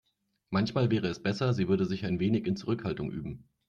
Manchmal wäre es besser, sie würde sich ein wenig in Zurückhaltung üben.